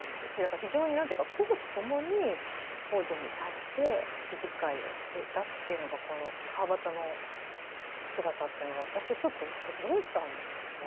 非常に何ていうか公私ともに北條に対して気遣いをしていたというのがこの川端の姿というのは私はちょっと驚いたんですね。